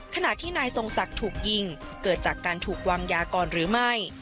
ขณะที่นายทรงศักดิ์ถูกยิงเกิดจากการถูกวางยาก่อนหรือไม่